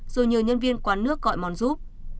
rồi nhờ nhân viên quán nước gọi món giúp